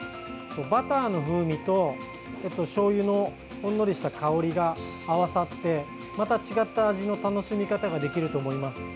バターの風味と、しょうゆのほんのりした香りが合わさってまた違った味の楽しみ方ができると思います。